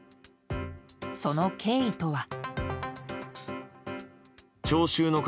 その経緯とは。